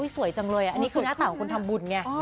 สวยจังเลยอันนี้คือหน้าตาของคนทำบุญไง